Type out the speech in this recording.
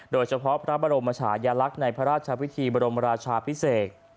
โดยเฉพาะพระบรมชายลักษณ์ในพระราชวิธีบรมราชาพิเศษ